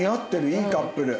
いいカップル。